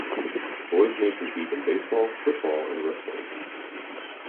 Boys may compete in baseball, football, and wrestling.